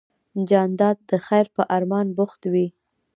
جانداد د خیر په ارمان بوخت وي.